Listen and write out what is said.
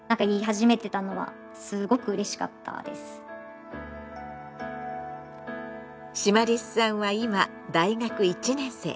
だからシマリスさんは今大学１年生。